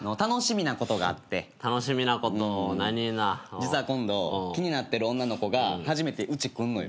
実は今度気になってる女の子が初めてうち来んのよ。